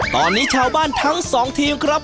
ตอนนี้ชาวบ้านทั้งสองทีมครับ